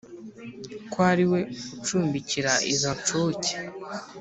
ko ari we ucumbikira izo nshuke.